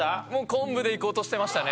昆布でいこうとしてましたね。